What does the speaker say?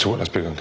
で？